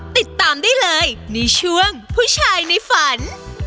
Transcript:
ติดตามได้เลยในช่วงผู้ชายในฝัน